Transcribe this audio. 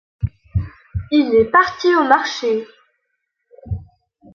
Il est parti au marché.